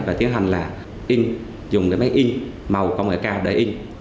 và tiến hành là dùng máy in màu công nghệ cao để in